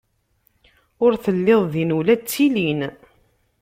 Ur telliḍ din ula d tilin.